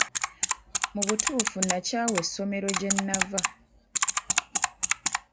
Mu butuufu nnakyawa essomero gye nnava.